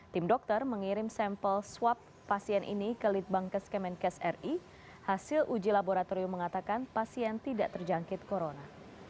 tim dokter mengirim sampel swab pasien ini ke litbangkes kemenkes ri hasil uji laboratorium mengatakan pasien tidak terjangkit corona